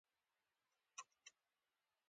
ایا زه باید اس سواري وکړم؟